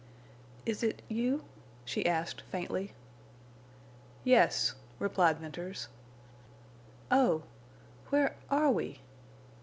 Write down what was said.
"Is—it—you?" she asked, faintly. "Yes," replied Venters. "Oh! Where—are we?"